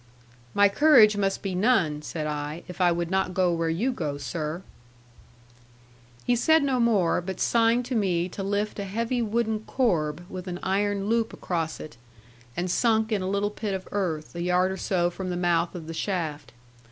'My courage must be none,' said I, 'if I would not go where you go, sir.' He said no more, but signed to me to lift a heavy wooden corb with an iron loop across it, and sunk in a little pit of earth, a yard or so from the mouth of the shaft.